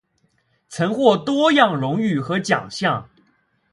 曾获多样荣誉和奖项。